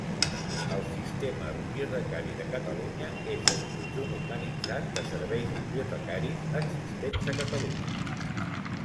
El Sistema Bibliotecari de Catalunya és el conjunt organitzat de serveis bibliotecaris existents a Catalunya.